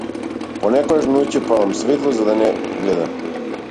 Понекогаш ноќе палам светло за да не гледам.